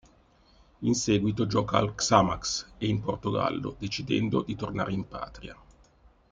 In seguito gioca al Xamax e in Portogallo, decidendo di tornare in patria.